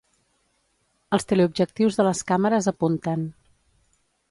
els teleobjectius de les càmeres apunten